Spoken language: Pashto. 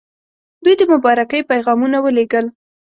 دوی د مبارکۍ پیغامونه ولېږل.